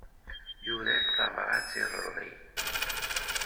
Yura-d tabṛat iḍelli.